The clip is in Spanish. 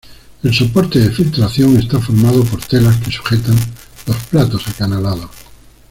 El soporte de filtración está formado por telas que sujetan los platos acanalados.